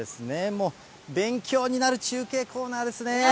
もう勉強になる中継コーナーですね。